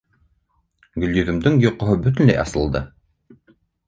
Гөлйөҙөмдөң йоҡоһо бөтөнләй асылды.